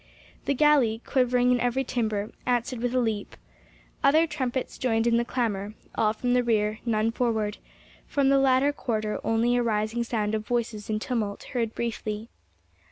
The galley, quivering in every timber, answered with a leap. Other trumpets joined in the clamor—all from the rear, none forward—from the latter quarter only a rising sound of voices in tumult heard briefly.